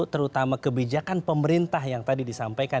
terutama kebijakan pemerintah yang tadi disampaikan